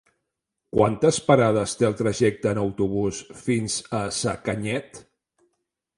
Quantes parades té el trajecte en autobús fins a Sacanyet?